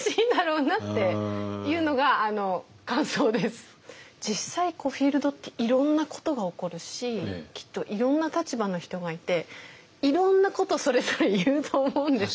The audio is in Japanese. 聞いてると多分実際実際フィールドっていろんなことが起こるしきっといろんな立場の人がいていろんなことをそれぞれ言うと思うんですよ。